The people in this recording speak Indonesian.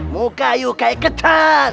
muka ayu kayak ketan